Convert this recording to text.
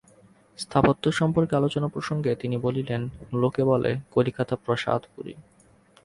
স্থাপত্য-সম্পর্কে আলোচনা-প্রসঙ্গে তিনি বলিলেন লোকে বলে কলিকাতা প্রাসাদপুরী।